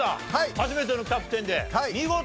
初めてのキャプテンで見事な勝利。